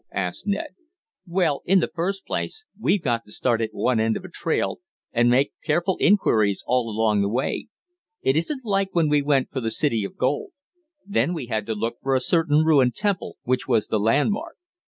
asked Ned. "Well, in the first place we've got to start at one end of a trail, and make careful inquiries all along the way. It isn't like when we went for the city of gold. There we had to look for a certain ruined temple, which was the landmark.